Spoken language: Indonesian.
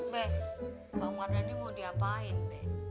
be abang merdan ini mau diapain be